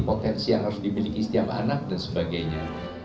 maka itu adalah potensi yang harus dimiliki setiap anak dan sebagainya